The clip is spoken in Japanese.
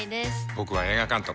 僕は映画監督。